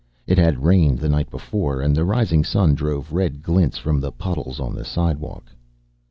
It had rained the night before and the rising sun drove red glints from the puddles on the sidewalk.